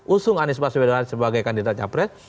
usung anies baswedan sebagai kandidat capres